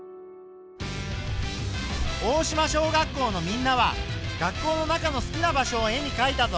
大島小学校のみんなは学校の中の好きな場所を絵にかいたぞ。